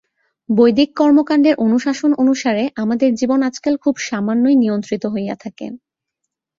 বৈদিক কর্মকাণ্ডের অনুশাসন অনুসারে আমাদের জীবন আজকাল খুব সামান্যই নিয়ন্ত্রিত হইয়া থাকে।